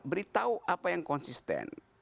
beritahu apa yang konsisten